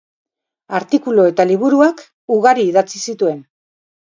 Artikulu eta liburuak ugari idatzi zituen.